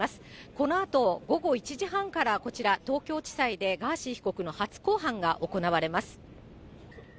このあと午後１時半からこちら、東京地裁でガーシー被告の初公判が行われます。